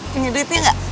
punya duitnya ga